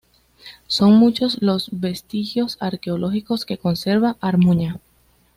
Son muchos los vestigios arqueológicos que conserva Armuña.